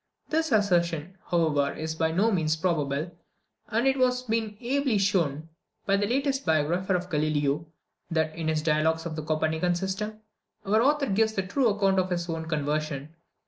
This assertion, however, is by no means probable; and it has been ably shown, by the latest biographer of Galileo, that, in his dialogues on the Copernican system, our author gives the true account of his own conversion.